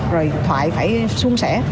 rồi thoại phải xuân xẻ